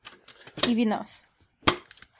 И ви нас.